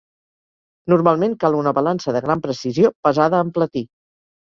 Normalment cal una balança de gran precisió pesada amb platí.